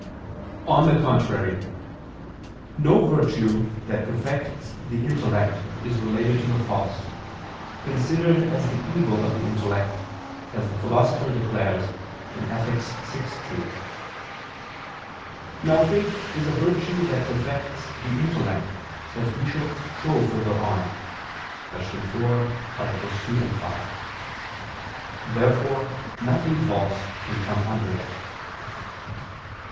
On the contrary, No virtue that perfects the intellect is related to the false, considered as the evil of the intellect, as the Philosopher declares (Ethic. vi, 2). Now faith is a virtue that perfects the intellect, as we shall show further on (Q. 4, AA. 2, 5). Therefore nothing false can come under it.